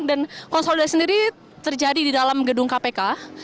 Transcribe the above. dan konsolidasi sendiri terjadi di dalam gedung kpk